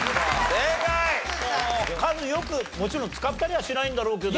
カズよくもちろん使ったりはしないんだろうけど。